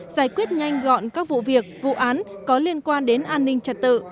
giải quyết nhanh gọn các vụ việc vụ án có liên quan đến an ninh trật tự